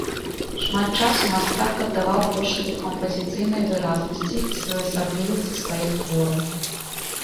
Шмат часу мастак аддаваў пошуку кампазіцыйнай выразнасці і своеасаблівасці сваіх твораў.